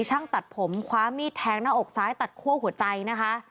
ช่างตัดผมคว้ามีดแทงหน้าอกซ้ายตัดคั่วหัวใจนะคะ